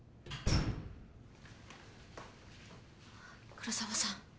黒澤さん。